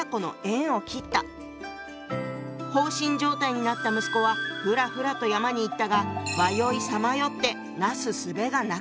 放心状態になった息子はふらふらと山に行ったが迷いさまよってなすすべがなかった」。